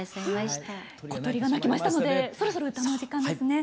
小鳥が鳴きましたのでそろそろ歌のお時間ですね。